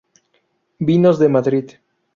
Vinos de Madrid.